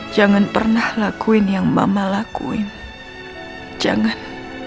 jangan pernah lakuin yang mama lakuin jangan